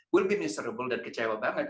kita akan menderita dan kecewa sekali